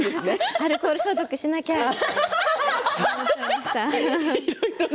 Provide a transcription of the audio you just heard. アルコール消毒しなきゃみたいな。